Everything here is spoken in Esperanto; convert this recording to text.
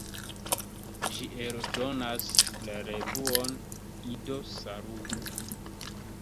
Ĝi eldonas la revuon "Ido-Saluto!